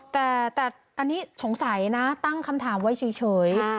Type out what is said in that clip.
แต่แต่อันนี้สงสัยนะตั้งคำถามไว้เฉยเฉยค่ะ